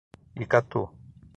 Icatu